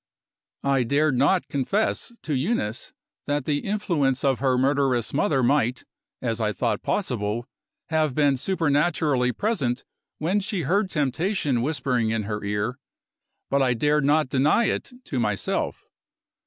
I dared not confess to Eunice that the influence of her murderess mother might, as I thought possible, have been supernaturally present when she heard temptation whispering in her ear; but I dared not deny it to myself.